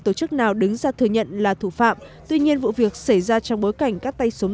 tổ chức nào đứng ra thừa nhận là thủ phạm tuy nhiên vụ việc xảy ra trong bối cảnh các tay súng